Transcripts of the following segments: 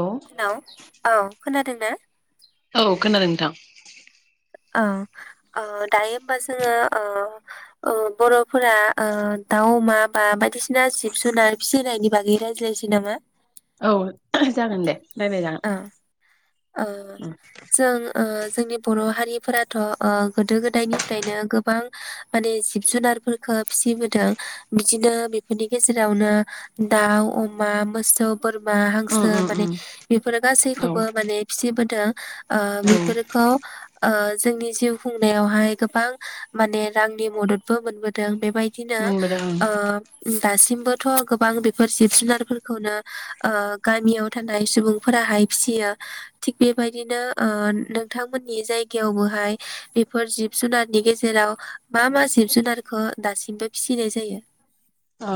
औ हेलौ औ खोनादों। दोनो औ खोनादों नों थां ओं ओ दायो होमबा जोङो ओ ओ बरफोरा ओ दाउ अमा बा बायदिसि ना जिब जुनार फिसिनाय नि बागै रायज्लायनोसै नामा औ जागोन दे रायलाय जागोन ओं जों ओ जोंनि बर हारि फोराथ ओ गोदो गोदायनिफ्रायनो गोबां माने जिब जुनारफोरखौ फिसिबोदों बिदिनो बेफोरनि गेजेरावनो दाउ अमा मोसौ बोरमा उम हांसो उम माने उम बेफोरो औ गासैखौबो माने फिसिबोदों ओ औ बेफोरखौ ओ जोंनि जिउ खुंनायावहाय गोबां माने रांनि मददबो मोनबोदों बेबायदिनो मोनबोदों ओं ओ दासिमबोथ गोबां बेफोर जिब जुनारफोरखौनो ओ गामियाव थानाय सुबुंफोराहाय फिसियो थिग बेबायदिनो ओ नोंथांमोननि जायगायावबोहाय बेफोर जिब जुनारनि गेजेराव मा मा जिब जुनारखौ दासिमबो फिसिनाय जायो औ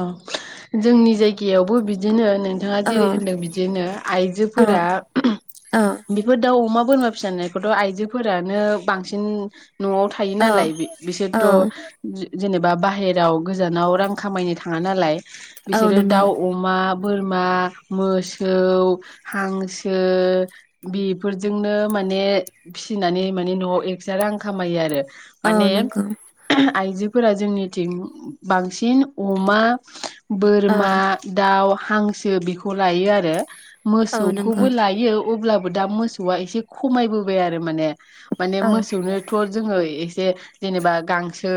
जोंनि जायगायावबो बिदिनो नोंथाङा औ जेरै होनदों बिदिनो औ आइजोफोरा औ बेफोर दाउ अमा बोरमा फिसिनायखौथ आइजोफोरानो बांसिन नआव थायो नालाय औ बिसोरथ औ जेनेबा बाहेराव गोजानाव रां खामायनो थाङा नालाय औ बिसोरो नंगौ दाउ अमा बोरमा मोसौ हांसो बेफोरजोंनो माने फिसिनानै माने नआव एकस्रा रां खामायो आरो औ माने नंगौ आइजोफोरा जोंनिथिं बांसिन अमा औ बोरमा दाउ हांसो बेखौ लायो आरो औ नंगौ मोसौखौबो लायो अब्ला बो दा मोसौआ एसे खमायबोबाय आरो माने माने औ मोसौनोथ जोङो एसे [unintelligible] जेनेबा गांसो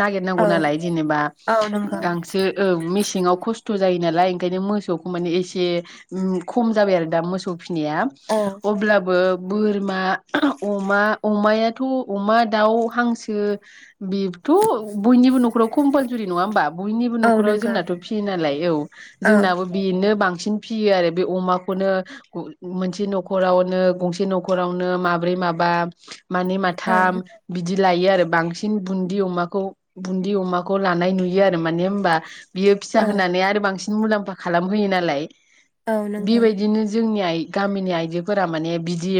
नागिर नांगौ औ नालाय जेनेबा औ नंगौ गांसो औ मेसेंआव खस्थ स्थ' जायो नालाय ओंखायनो मोसौखौ माने एसे उम खम जाबाय आरो दा मोसौ फिनाया। औ अब्लाबो बोरमा, अमा, अमायाथ' अमा दाउ, हांसो बेथ' बयनिबो न'खराव कम्पालसरि नङा होमबा? बयनिबो औ न'खराव नंगौ जोंनाथ' फियो नालाय औ औ जोंनाबो बेनो बां सिन फियो आरो। बे अमाखौनो मोनसे न'खरावनो गंसे न'खरावनो माब्रै माबा मानै औ माथाम बिदि लायो आरो बांसिन बुन्दि अमाखौ बुन्दि अमाखौ लानाय नु यो आरो माने होमबा बियो फिसा औ होननानै आरो बांसिन मुलाम्फा खालामहोयो नालाय। औ नंगौ बेबायदिनो जोंनि आइ गामिनि आइजोफोरा माने बिदि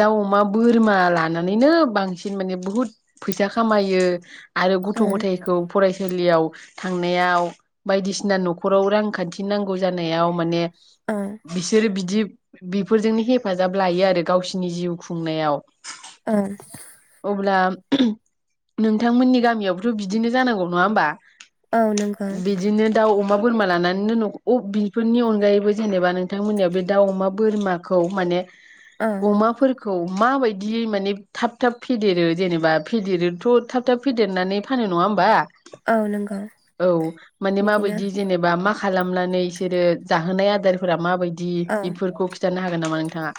दाउ अमा बोरमा लानानैनो बांसिन माने बहुद फैसा खामायो आरो गथ' औ गथायखौ फरायसालियाव थांनायाव बायदिसिना न'खराव रांखान्थि नांगौ जानायाव माने औ बिसोर बिदि बिफोरजोंनो हेफाजाब लायो आरो गावसोरनि जिउ खुंनायाव ओ। अब्ला नोंथांमोननि गामियावबोथ' बिदिनो जानांगौ नङा होमबा? औ नंगौ। बिदिनो दाउ अमा बोरमा लानानैनो न' अ बिफोरनि अनगायैबो जेनेबा नोंथांमोननियाव बे दाउ, अमा, बोरमाखौ माने औ अमाफोर खौ माबायदियै माने थाब थाब फेदेरो जेनेबा फेदेरोथ' थाब थाब फेदेरनानै फानो नङा होमबा? औ नंगौ औ माने बिदिनो माबायदि जेनेबा माख खालामनानै इसोरो जाहोनाय आदारफोरा माबायदि औ दि बेफोरखौ खि थानो हागोन नामा नोंथाङा?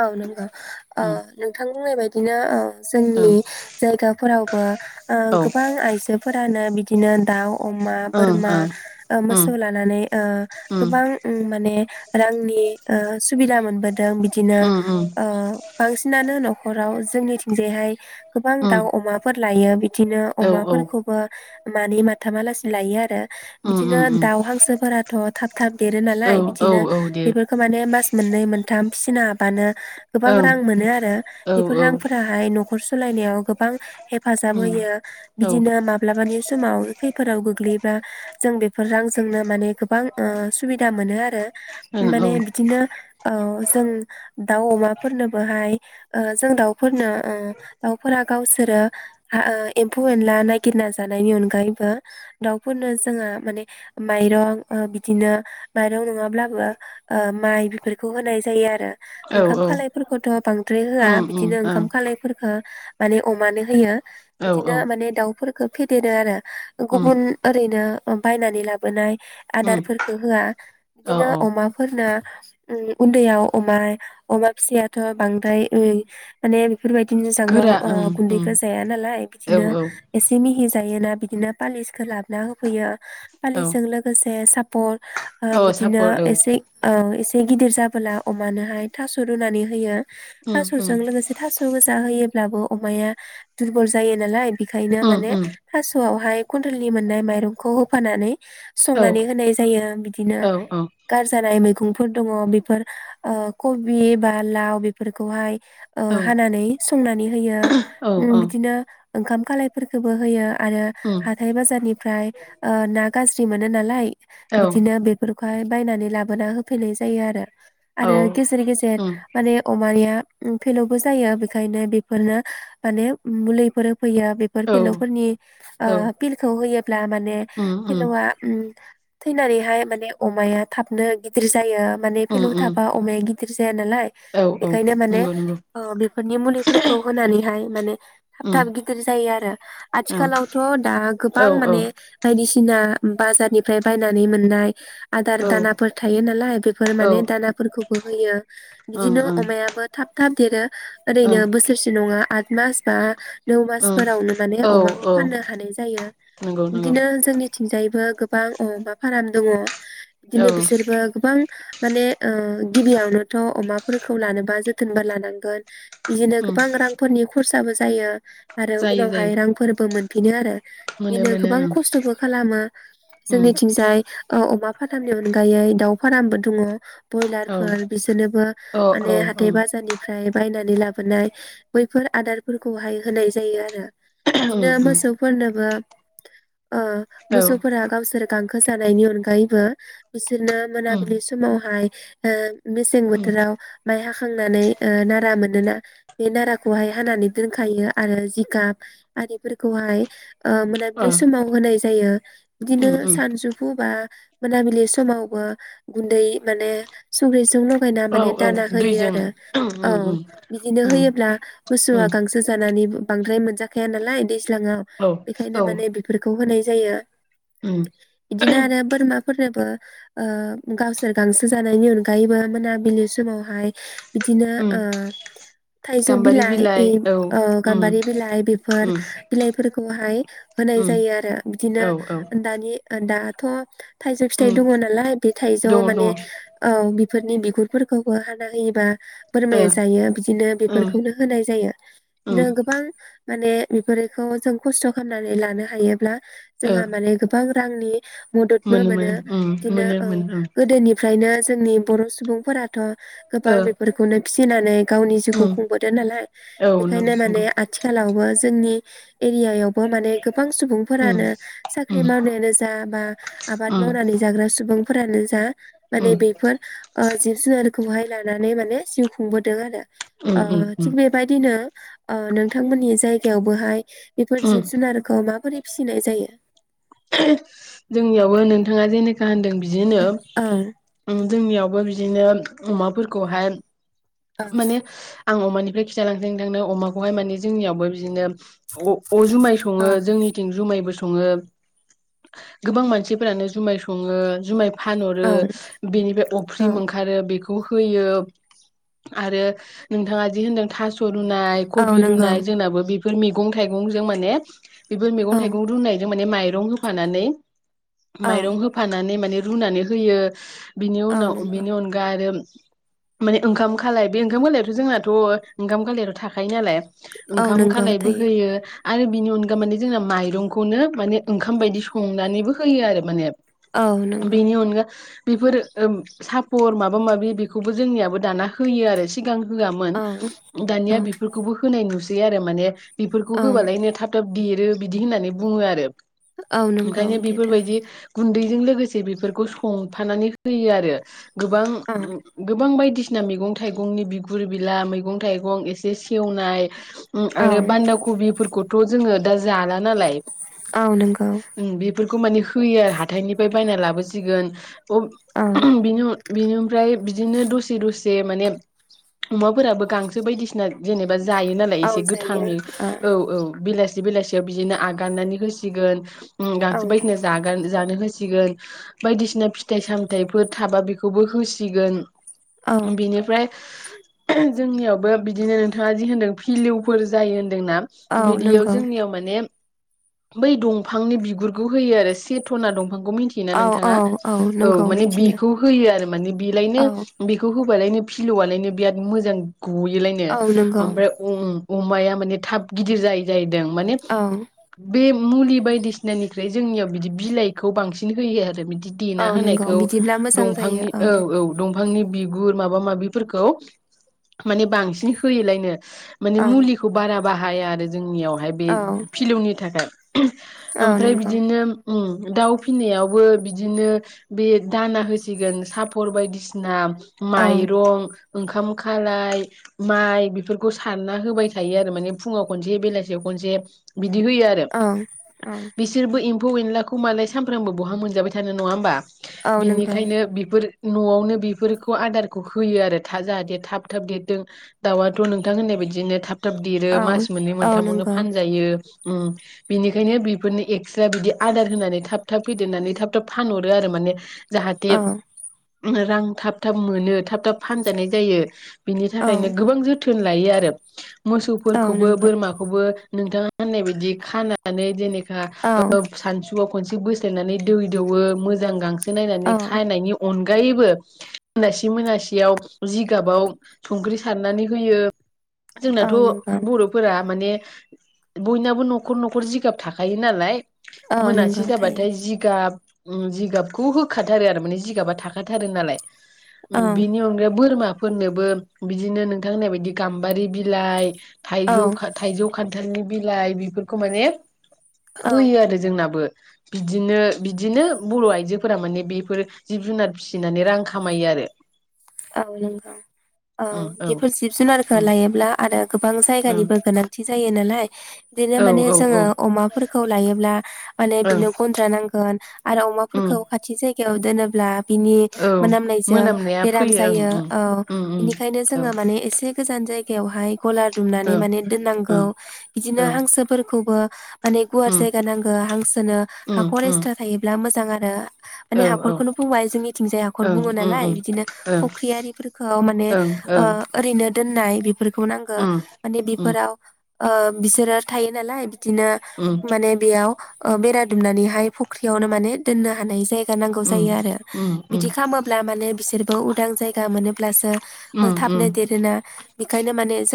औ नंगौ। ओ उम नोंथां बुंनाय बायदिनो ओ उम जोंनि जायगाफोरावबो ओ औ गोबां आइजोफोरानो बिदिनो दाउ अमा, ओं बोरमा, ओं उम मोसौ लानानै ओ उम गोबां उम माने रांनि ओ सुबिदा मोनबोदों बि दिनो उम उम ओ बांसिनानो न' खराव जोंनिथिंजायहाय गोबां उम दाउ अमाफोर लायो बि बिदिनो औ औ अमाफोरखौबो मानै माथामालासिनो लायो आरो उम बिदिनो उम उम दाउ हांसोफोराथ' थाब थाब देरो औ नालाय औ बिदिनो औ दे बेफोरखौ माने मास मोननै मोनथाम फिसिनो हाबानो गोबां ओं रां मोनो आरो औ बेफोर औ रांफोराहाय न न'खर सालायनायाव गोबां हेफाजाब उम होयो औ बिदिनो माब्लाबानि समाव खैफोदाव गोग्लैयोब्लाा जों बेफोर रांजोंनो माने गोबां सुबिदा मोनो आरो माने ओं बिदिनो जों दाउ अमाफोरनोबोहाय ओ जों दाउफोरनो ओ दाउफोरा गावसोरो ओ ओ एम्फौ एनला नायगिरना जानायनि अनगायैबो दाउफोरनो जोंहा माने माइरं ओ बिदिनो माइरं नङाब्लाबो ओ माइ बेफोरखौ होनाय जा जायो आरो औ ओंखाम औ खालायफोरखौथ' बांद्राय होआ उम उम बिदिनो ओं ओंखाम खालायफोरखौ माने अमानो होयो औ औ बिदिनो माने दाउ फो खो फेदेरो आरो उम गुबुन ओरैनो बायनानै लाबोनाय उम आदारफोरखौ होआ औ बिदिनो औ अमाफोरनो उम दैयाव अमा अमा फिसियाथ' बांद्राय ओ माने बेफोरबायदिनो जांगाव गोरा ओ ओं ओं गुन्दैखौ जाया नालाय औ बिदिनो औ एसे मिहि जायोना बिदिनो पालिसखौ लाबोना होफैयो पालिसजों औ लोगोसे सापर औ बिदिनो सापर औ एसे एसे गिदिर जाब ब्ला अमानोहाय थास' रुनानै होयो उम उम थास'जों लोगोसे थास' गोजा होयो अब्लाबो अमाया दुरबल जायो नालाय बेखायनो उम माने उम थास'आव बेहाय कुन्टेलनि मोननाय माइरंखौ होफानानै औ संनानै होनाय जायो बिदिनो औ गार जानाय मैग खुंफोर दङ बेफोर ओ कबि बा लाव बेफोरखौहाय ओ औ हानानै संनानै होयो औ ओम बिदिनो ओंखाम खालायफोरखौबो होयो। आरो उम हाथाय बाजारनिफ्राय ओ ना गाज्रि मोना नालाय औ औ उम बिदिनो बेफोर बेखौहाय बायनानै लाबोना होफैनाय जायो आरो। आरो गेजेर गेजेर माने अम माया पिलौबो जायो बेखायनो बेफोरनो माने मुलिफोर फैयो बेफोर औ फेलौफोरनि ओ औ पिलखौ होयोब्ला माने उम उम फेलौआ ओम थैनानैहाय माने अमाया थाबनो गिदिर जायो। माने उम फेलौ थाब उम बा अमाया गिदिर जाया नालाय औ औ बेखायनो नंगौ माने नंगौ ओ बेफोरनि मुलिफोरखौ होनानैहाय माने थाब उम थाब गिदिर जायो आरो ओं आथिखालावथ' दा औ गोबां औ माने बायदिसिना बाजारनिफ्राय बायनानै मोननाय। आदार औ दानाफोर थायो नालाय बेफोर माने दाना खौबो होयो ओं बिदिनो ओं अमायाबो थाब थाब देरो ओरैनो ओं बोसोरसे नङा। आद मास बा नौ ओं मासफोरावनो माने औ अमाखौ औ फाननो हानाय जायो नंगौ नंगौ बिदिनो जोंनिथिंजायबो गोबां अमा फाराम दङ। बिदिनो औ बिसोरबो गोबां माने ओ गिबियावनोथ अमाफोरखौ लानोबा जोथोनबो लानांगोन। बिदिनो उम गोबां रांफोरनि खरसा खरसाबो जायो। आरो जायो जायो उनावहाय रांफोरबो मोनफिनो आरो मोनो बिदिनो मोनो गोबां ओं खस्थबो खालामो उम जोंनिथिंजाय अमा फारामनि अनगायै दाउ फारामबो दङ। ब्रयलार औ फोर बिसोरनोबो अ माने अ अ हाथाइ बाजारनिफ्राय बायनानै लाबोनाय बैफोर आदारफोरखौहाय होनाय जायो आरो। उम बिदिनो उम मोसौ फोरनोबो ओ औ मोसौफोरा गावसोर गांखो गांसो जानायनि अनगायैबो बिदिनो उम मोनाबिलि समावहाय ओ। मेसें उम बोथोराव माइ हाखांबा हाखांनानै नारा मोनोना बे नाराखौहाय हानानै दोनखायो आरो जिगाब आरिफोरखौहाय। मोनाबिलि अ समाव होनाय जायो बिदिनो उम उम सानजौफु बा। मोनाबिलि समावबो गुन्दै माने। संख्रि जोंनो। होफायना औ माने औ दाना होयो दैजों आरो उम औ उम बिदिनो उम होयोब्ला उम मोसौआ उम गांसो जानानै। बांद्राय मोनजाखाया नालाय दैजों। दैज्लांङाव औ बेखायनो औ माने बेफोरखौ होनाय। जायो। उम बिदिनो आरो बोरमाफोरनोबो। गावसोर गांसो। जानायनि अनगायैबो मोनाबिलि समावहाय। बिदिनो उम थाइजौ गाम्बारि बिलाइ औ उम गाम्बारि बिलाइ बेफोर उम बिलाइफोरखौहाय होनाय उम जायो आरो बिदिनो औ औ दानि दा। [unintelligible] थाइजौ फिथाइ उम दङ नालाय बे थाइजौ दङ दङ माने ओ अ बिफोरनि बिगुरफोरखौबो हाना होयोबा बोरमाया जायो बिदिनो उम बेफोरखौनो होनाय जायो उम नो गोबां माने बेफोरखौ जों खस्थ' खालामनानै लानो हायोब्ला ओ जोंहा माने गोबां रांनि मददबो मोनो उम बिदिनो मोनो ओ मोनो गोदोनिफ्रायनो बर' सुबुंफोराथ' गोबां ओं बेफोरखौनो नानै गावनि ओ जिउखौ उम खुंबोदो नालाय औ बेखायनो माने नंगौ आथिखालावबो जोंनि एरियायावबो माने गोबां उम सुबुंफोरानो साख्रि उम मावनायानो जा बा उम आबाद मावनानै जाग्रा सुबुं फोरानो जा माने उम बेफोर ओ जिब जुनारखौहाय लानानै माने जिउ खुंबोदों आरो उम उम ओ उम थिग बेबायदिनो ओ नोंथांमोननि जायगायावबोहाय बेफोर उम जिब जुनारखौ माबोरै फिसिनाय जायो जोंनियावबो नोंथाङा जेनेखा होनदों बिदिनो औ [unintelligible] जोंनियावबो बिदिनो अमाफोरखौहाय माने औ आं अमानिफ्राय खिथालांथों थांनो अमाखौहाय माने जोंनियावबो बिदिनो अ जुमाय सङो जोंनिथिं जुमायबो स [unintelligible] गोबां मानसिफोरानो जुमाइ सङो जुमाइ फानहरो औ बेनिफ्राय औ अफ्रिम ओंखारो बेखौ ग होयो। आरो नोंथाङा जि होनदों थास' रुनाय औ कबि नंगौ रुनाय जोंनाबो बे बेफोर मैगं थाइगंजों माने बेफोर मेगं औ थाइगं रुनायजों माने माइरं होफानानै औ माइरं होफानानै माने रुनानै होयो। बिनि औ उनाव नंगौ बिनि अनगा आरो माने ओंखाम खालाय बे ओंखाम खालायाथ' जोंनाथ' ओंखाम खालाया थाखायो नालाय औ ओंखाम नंगौ खालायबो थायो होयो। आरो बिनि अनगा माने जोंना माइरंखौनो माने ओंखाम बायदि संनानैबो होयो आरो माने औ नंगौ बेनि अनगा बेफोर ओम सापर माबा माबि बेखौबो जोंनियाबो दाना होयो आरो सिगां होवामोन औ औ दानिया बिफोरखौबो होनाय नुस [unintelligible] माने बिफोरखौ औ होबालायनो थाब थाब देरो बिदि होननानै बुङो आरो। औ नंगौ ओंखायनो दे दा बेफोरबायदि गुन्दैजों लोगोसे बिफोरखौ संफानानै होयो आरो। गोबां औ गोबां बाय बिसना मेगं थाइगंनि बिगुर बिला मैगं थाइगं एसे सेवनाय औ आरो बान्दा कबिफोरखौथ' जोङो दा जाला नालाय औ नंगौ बेफोर खौ माने होयो आरो हाथाइनिफ्राय बायना लाबोसिगोन अब औ [unintelligible] बिनि उन बिनिफ्राय बिदिनो दसे दसे माने अमाफोराबो गांसो बायदिसिना जेनेबा जायो नालाय औ एसे जायो गोथांङै औ औ बेलास बेलासियाव बिदिनो आगारनानै होसिगोन उम औ गांसो बायदिसिना जागोन जानो होसिगोन। सिगोन बायदिसिना फिथाइ सामथायाइफोर थाबा बिखौबो होसिगोन। औ बिनिफ्राय [unintelligible] जोंनियावबो बिदिनो नोंथाङा जि होनदों फिलिउफोर जायो। दोंना औ बिदियाव नंगौ जोंनियाव माने बै दंफांनि बिगुरखौ होयो आरो सेथ'ना दं फांखौ मिथियो ना औ औ नोंथाङा? औ नंगौ माने मिथिगौ बेखौ होयो आरो माने बिलायनो औ बेखौ होबालायनो फिलौआलायनो बियाद मोजां। गयोलायनो औ नंगौ ओमफ्राय अम अमाया माने थाब गिदिर जायो जायो दों माने औ बे मुलि बायदिसिनानिफ्राय जोंनियाव बिदि बिलाइखौ बांसिन होयो आरो बिदि दि देना औ नंगौ होनायखौ बिदिब्ला मोजां जायो दंफांनि औ औ दंफांनि बि गुर माबा-माबि बेफोरखौ माने बांसिन होयोलायनो। माने औ मुलिखौ बारा बाहाया आरो जोंनियाव। फाय बे औ फिलौनि थाखाय। [unintelligible] औ ओमफ्राय नंगौ बिदिनो उम। दाउ फिननायावबो बिदिनो बे दाना होसिगोन सापर बायदिसिना औ माइ गं ओंखाम खालाइ माइ बेफोरखौ सारना होबाय थायो आरो माने फुङाव खनसे बेलासेयाव खनसे बिदि होयो आरो औ औ बिसोरबो एम एम्फौ-एनलाखौ मालाय सानफ्रोमबो बहा मोनजाबाय थानो नङा होमबा? औ नंगौ बिनिखायनो बिफोर न'आवनो बेफोरखौ आदार खौ होयो आरो था जाहाथे थाब थाब देरथों दाउआथ' नोंथां होननाय बायदिनो थाब थाब देरो औ मास मोननै औ मोन्थामावनो नंगौ फानजायो। उम बिनिखायनो बेफोरनो एक्सट्रा बिदि आदार होनानै थाब थाब फेदेरनानै थाब थाब फानहरो आरो माने। जाहाथे औ रां थाब थाब मोनो। थाब थाब फानजानाय जायो। बिनि औ थाखायनो गोबां जोथोन जोथोन लायो आरो। औ मोसौफोरखौबो नंगौ बोरमाखौबो नोंथाङा होननाय बायदि खानानै दिनै औ सानसु खनसे बोस्लायनानै दै दौवो मोजां गांसो नायनानै औ खानायनायनि अनगा बयबो [unintelligible] मोनासेयाव जिगाबाव संख्रि सारनानै होयो। जोंनाथ' औ नंगौ बर'फोरा माने, बयनाबो न'खर न'खर जिगाब थाखायो नालाय। औ मोनासे नंगौ थायो जाबाथाय जिगाब जिगाबखौ होखाथारो आरो माने जिगाबा थाखाथारो नालाय। औ बिनि अनगायै बोरमा फोरनोबो बिदिनो नोंथां होननाय बायदि गाम्बारि बिलाइ औ थाइजौ खा थाइजौ खान थालनि बिलाइ बेफोरखौ माने औ होयो आरो जोंनाबो। बिदिनो बिदिनो बर' आइजोफोरा माने बेफोर जिब जुनार फिसिनानै रां खामायो आरो। औ नंगौ औ बेफोर जिब जुनारखो उम लायोब्ला आरो गोबां ओं जायगानिबो गोनांथि जायो नालाय बिदिनो माने औ औ जोङो अमाफोरखौ लायोब्ला, माने ओं बिनो गन्द्रा नांगोन आरो उम अमाफोरखौ खाथि जायगायाव दोनोब्ला बिनि औ मोनामनायजों मोनामनाया बेराम फैयो जायो ओं औ उम उम बेनिखायनो जोङो उम माने एसे गोजान जायगायावहाय गलार दुमनानै औ माने ओं दोननांगौ बिदिनो औ हांसोफोरखौबो माने गुवार उम जायगा नांगो हांसोनो उम हाखर उम एस्रा थायोब्ला मोजां [unintelligible] माने औ औ हाखरखौनो बुंबाय जोंनिथिंजाय हाखर ओं बुङो उम नालाय उम बिदिनो ओं फुख्रियारिफोरखौ माने ओं ओ ओं ओरैनो दोननाय बिफोर खौ नांगो उम माने उम बेफोराव ओ बिसोरो थायो नालाय बिदिनो उम माने बेयाव ओ बेरा दुमनानैहाय फुख्रियावनो माने दोननो हानाय जाय जानांगौ जायो आरो बिदि खामोब्ला माने बिसोर जायगा मोनोब्लासो ओ थाबनो देरोनो बेखायनो माने जों